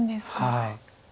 はい。